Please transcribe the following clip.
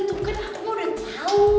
itu kan aku udah tau